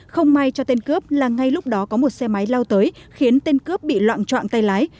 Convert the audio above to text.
không may cho tên cướp là ngay lúc đó có một xe máy lao tới khiến tên cướp bị loạn trọn tay lái